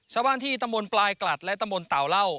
ชาวบ้านที่ตำบลปลายกลัดและตำบลเต่าเหล้า